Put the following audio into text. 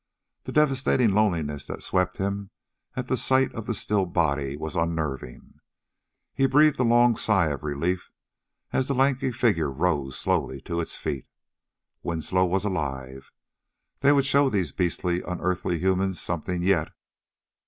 The devastating loneliness that swept him at the sight of the still body was unnerving. He breathed a long sigh of relief as the lanky figure rose slowly to its feet. Winslow was alive! They would show these beastly, unearthly humans something yet.